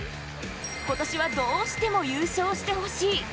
今年はどうしても優勝してほしい。